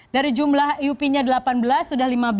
dari jumlah iup nya delapan belas sudah lima belas